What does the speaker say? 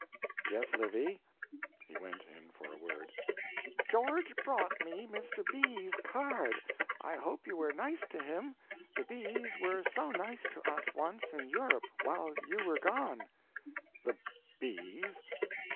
"Yes, Livy." He went in for a word. "George brought me Mr. B.'s card. I hope you were nice to him; the B's were so nice to us, once, in Europe, while you were gone." "The B's!